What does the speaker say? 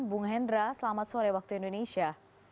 bung hendra selamat sore waktu indonesia